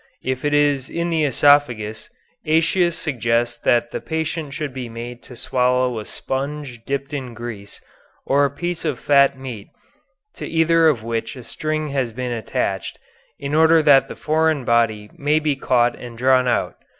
If it is in the esophagus, Aëtius suggests that the patient should be made to swallow a sponge dipped in grease, or a piece of fat meat, to either of which a string has been attached, in order that the foreign body may be caught and drawn out.